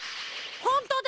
ほんとだ！